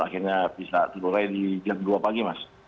akhirnya bisa terlurai di jam dua pagi